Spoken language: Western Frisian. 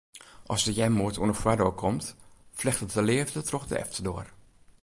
As de earmoed oan 'e foardoar komt, flechtet de leafde troch de efterdoar.